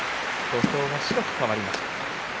土俵も白く変わりました。